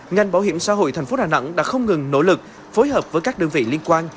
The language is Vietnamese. ngành bảo hiểm xã hội thành phố đà nẵng đã không ngừng nỗ lực phối hợp với các đơn vị liên quan